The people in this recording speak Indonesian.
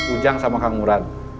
ujang sama kang murad